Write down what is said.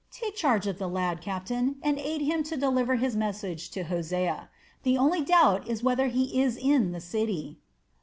Take charge of the lad, captain, and aid him to deliver his message to Hosea. The only doubt is whether he is in the city."